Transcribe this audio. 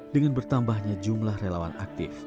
dengan bertambahnya jumlah relawan aktif